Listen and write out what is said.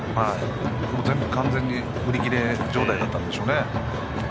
全部、完全に売り切れ状態だったんでしょうね。